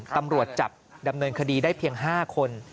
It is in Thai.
ตำรวจจับดำเนินคดีได้เพียง๕คน